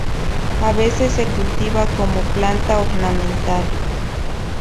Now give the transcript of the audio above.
A veces se cultiva como planta ornamental.